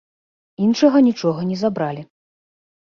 Іншага нічога не забралі.